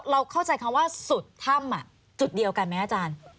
เราเข้าใจคำว่าสุดถ้ำจุดเดียวกันไหมอาจารย์